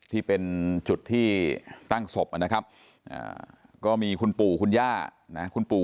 ที่เป็นจุดที่ตั้งศพนะครับก็มีคุณปู่คุณย่านะคุณปู่